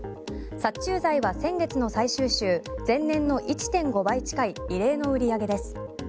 殺虫剤は先月の最終週前年の１．５倍近い異例の売り上げです。